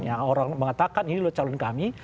yang orang mengatakan ini lho calon kami